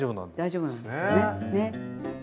大丈夫なんですよね。